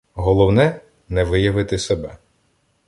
Головне — не виявити себе.